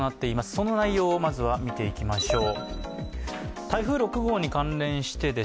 その内容をまずは見ていきましょう。